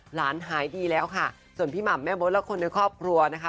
หายดีแล้วค่ะส่วนพี่หม่ำแม่มดและคนในครอบครัวนะคะ